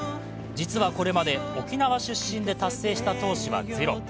実はこれまで沖縄出身で達成した投手はゼロ。